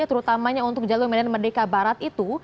terutamanya untuk jalur medan merdeka barat itu